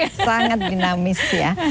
sangat dinamis ya